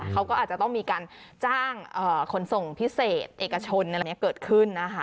เขาก็อาจจะต้องมีการจ้างขนส่งพิเศษเอกชนอะไรเกิดขึ้นนะคะ